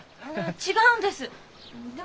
違うんです。